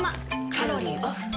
カロリーオフ。